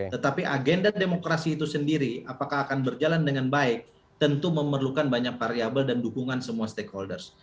tetapi agenda demokrasi itu sendiri apakah akan berjalan dengan baik tentu memerlukan banyak variable dan dukungan semua stakeholders